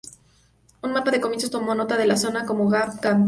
Un mapa de comienzos tomó nota de la zona como Gap Campbell.